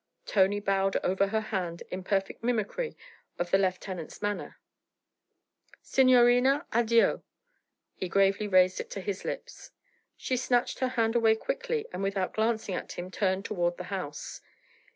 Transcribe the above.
Tony bowed over her hand in perfect mimicry of the lieutenant's manner. 'Signorina, addio!' He gravely raised it to his lips. She snatched her hand away quickly and without glancing at him turned toward the house.